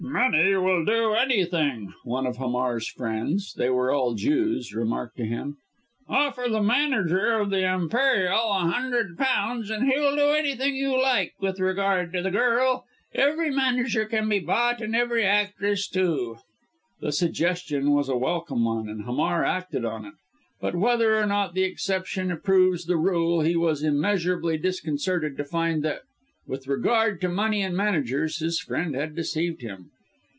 "Money will do anything," one of Hamar's friends they were all Jews remarked to him. "Offer the manager of the Imperial a hundred pounds and he'll do anything you like with regard to the girl. Every manager can be bought and every actress, too." The suggestion was a welcome one, and Hamar acted on it. But whether or not the exception proves the rule, he was immeasurably disconcerted to find that with regard to money and managers, his friend had deceived him.